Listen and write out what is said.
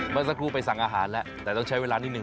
เมื่อสักครู่ไปสั่งอาหารแล้วแต่ต้องใช้เวลานิดนึ